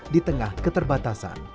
di tengah keterbatasan